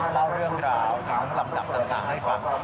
เล่าเรื่องราวถามลำดับธรรมดาให้ฟัง